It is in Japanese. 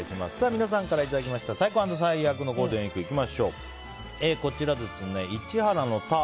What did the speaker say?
皆さんからいただきました最高＆最悪のゴールデンウィークいきましょう。